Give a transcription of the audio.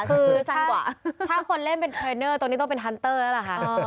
คือจังหวะถ้าคนเล่นเป็นเทรนเนอร์ตรงนี้ต้องเป็นฮันเตอร์แล้วล่ะค่ะ